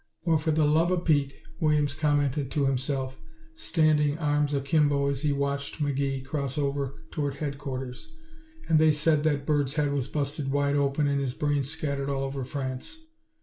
"Well for the luva Pete!" Williams commented to himself, standing arms akimbo as he watched McGee cross over toward headquarters. "And they said that bird's head was busted wide open and his brains scattered all over France.